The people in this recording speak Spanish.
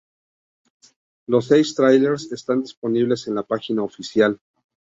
Los seis tráilers están disponibles en la página oficial.